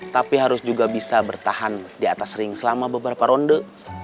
tapi harus juga bisa bertahan di atas ring selama beberapa ronde